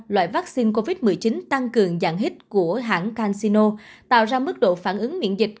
loại vaccine covid một mươi chín tăng cường dạng hít của hãng cansino tạo ra mức độ phản ứng miễn dịch